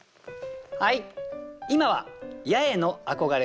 はい！